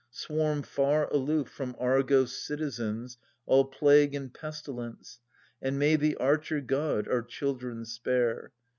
Swarm far aloof from Argos' citizens All plague and pestilence. And may the Archer God 'our children spare